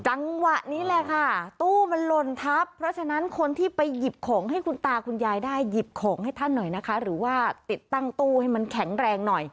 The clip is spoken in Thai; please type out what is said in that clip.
จังหวะนี้แหละค่ะตู้มันหล่นทับเพราะฉะนั้นคนที่ไปหยิบของให้คุณตาคุณยายได้หยิบของให้ท่านหน่อยนะคะหรือว่าติดตั้งตู้ให้มันแข็งแรงหน่อย